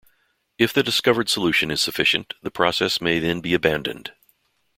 If the discovered solution is sufficient, the process may then be abandoned.